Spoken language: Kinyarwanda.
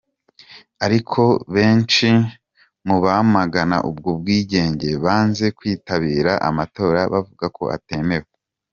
Ariko benshi mu bamagana ubwo bwigenge banze kwitabira amatora bavuga ko atemewe.